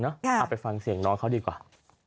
เอาไปฟังเสียงน้องเขาดีกว่า